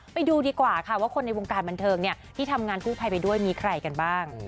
ไปดูดีกว่าค่ะว่าคนในวงการบันเทิงที่ทำงานกู้ภัยไปด้วยมีใครกันบ้าง